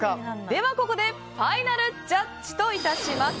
では、ここでファイナルジャッジといたします。